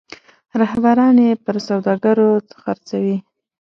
رهبران یې پر سوداګرو خرڅوي.